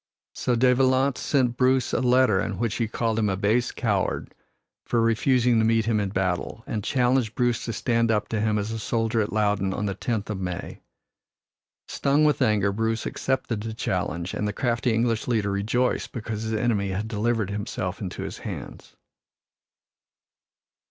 So De Valence sent Bruce a letter in which he called him a base coward for refusing to meet him in battle, and challenged Bruce to stand up to him as a soldier at Loudon on the tenth of May. Stung with anger, Bruce accepted the challenge and the crafty English leader rejoiced because his enemy had delivered himself into his hands.